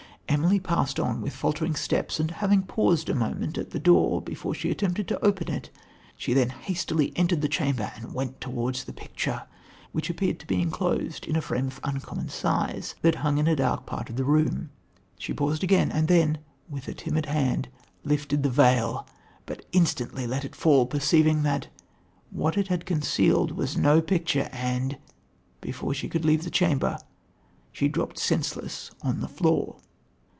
"Emily passed on with faltering steps and, having paused a moment at the door before she attempted to open it, she then hastily entered the chamber and went towards the picture, which appeared to be enclosed in a frame of uncommon size, that hung in a dark part of the room. She paused again and then, with a timid hand, lifted the veil, but instantly let it fall perceiving that, what it had concealed was no picture and, before she could leave the chamber, she dropped senseless on the floor."